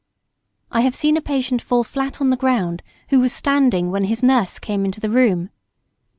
I have seen a patient fall flat on the ground who was standing when his nurse came into the room.